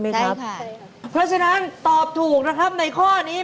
ใช่ไหมครับเพราะฉะนั้นตอบถูกนะครับในข้อนี้